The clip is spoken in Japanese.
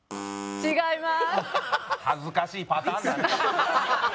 違います。